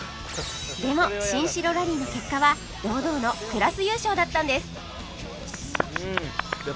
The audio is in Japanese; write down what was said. でも新城ラリーの結果は堂々のクラス優勝だったんです！